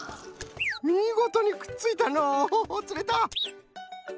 みごとにくっついたのう。つれた！